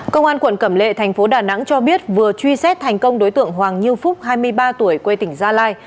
công an quận cẩm lệ thành phố đà nẵng cho biết vừa truy xét thành công đối tượng hoàng như phúc hai mươi ba tuổi quê tỉnh gia lai